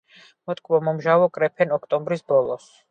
მოტკბო-მომჟავო, კრეფენ ოქტომბრის ბოლოს.